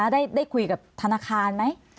ได้คุยกับธนาคารไหม